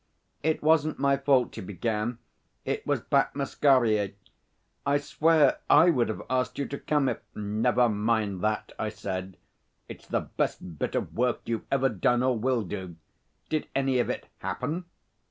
'It wasn't my fault,' he began. 'It was Bat Masquerier. I swear I would have asked you to come if ' 'Never mind that,' I said. 'It's the best bit of work you've ever done or will do. Did any of it happen?'